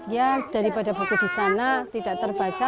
ya daripada buku di sana tidak terbaca